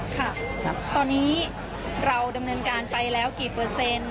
ค่ะตอนนี้เราดำเนินการไปแล้วกี่เปอร์เซ็นต์